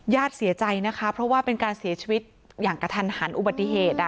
เสียใจนะคะเพราะว่าเป็นการเสียชีวิตอย่างกระทันหันอุบัติเหตุ